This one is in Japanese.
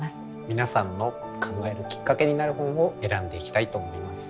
皆さんの考えるきっかけになる本を選んでいきたいと思います。